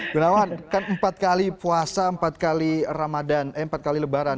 gunawan kan empat kali puasa empat kali ramadan eh empat kali lebaran